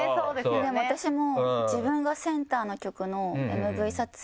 でも私も。